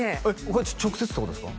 これ直接ってことですか？